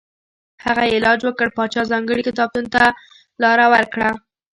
هغه یې علاج وکړ پاچا ځانګړي کتابتون ته لاره ورکړه.